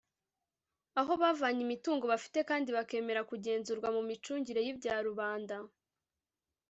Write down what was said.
aho bavanye imitungo bafite kandi bakemera kugenzurwa mu micungirey'ibya rubanda